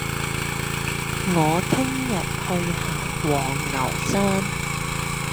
我聽日去行黃牛山